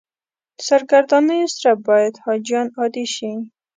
سرګردانیو سره باید حاجیان عادي شي.